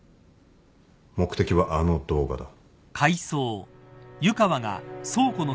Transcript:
目的はあの動画だ。